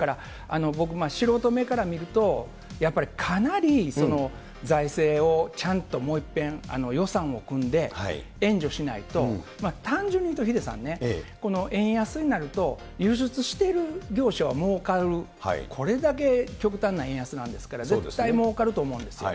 僕、素人目から見ると、やっぱりかなり財政をちゃんともういっぺん、予算を組んで、援助しないと、単純に言うと、ヒデさんね、円安になると輸出してる業者はもうかる、これだけ極端な円安なんですから、絶対もうかると思うんですよ。